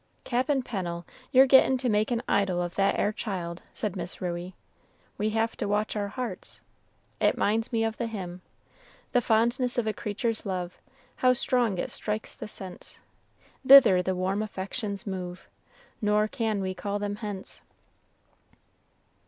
"Cap'n Pennel, you're gettin' to make an idol of that 'ere child," said Miss Ruey. "We have to watch our hearts. It minds me of the hymn, "'The fondness of a creature's love, How strong it strikes the sense, Thither the warm affections move, Nor can we call them hence.'"